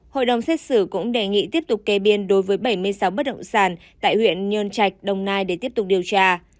hội đồng xét xử cũng đề nghị tiếp tục kê biên đối với bảy mươi sáu bất động sản tại huyện nhơn trạch đồng nai để tiếp tục điều tra